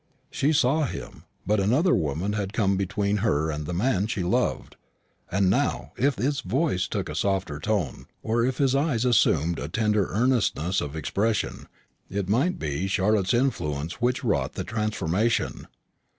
She saw him; but another woman had come between her and the man she loved: and now, if his voice took a softer tone, or if his eyes assumed a tender earnestness of expression, it might be Charlotte's influence which wrought the transformation.